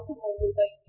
dịp với người đàn